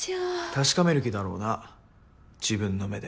確かめる気だろうな自分の目で。